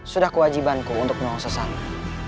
sudah kewajibanku untuk menolong sesama